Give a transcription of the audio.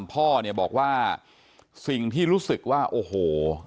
ข้อความพ่อบอกว่าสิ่งที่รู้สึกว่าโอ้โห